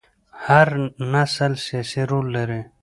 هر نسل سیاسي رول لري